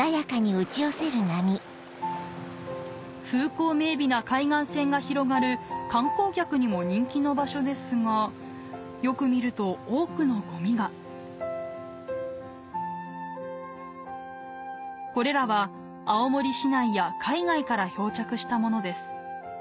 風光明媚な海岸線が広がる観光客にも人気の場所ですがよく見ると多くのゴミがこれらは青森市内や海外から漂着したものです